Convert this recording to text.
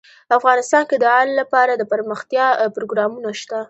افغانستان کې د لعل لپاره دپرمختیا پروګرامونه شته.